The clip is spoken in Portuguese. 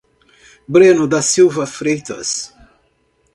Breno da Silva Freitas